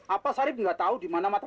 apa sarip gak tahu dimana mata